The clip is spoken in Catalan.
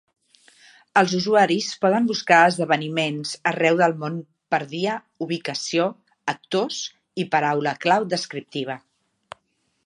Els usuaris poden buscar esdeveniments arreu del món per dia, ubicació, actors i paraula clau descriptiva.